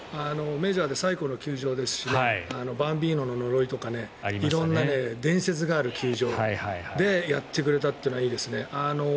メジャーで最古の球場ですしバンビーノの呪いとか色んな伝説がある球場でやってくれたっていうのはいいですね。